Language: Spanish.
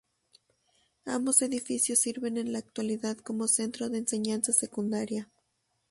Ambos edificios sirven en la actualidad como centro de enseñanza secundaria.